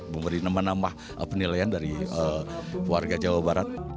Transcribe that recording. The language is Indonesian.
memberi nama nama penilaian dari warga jawa barat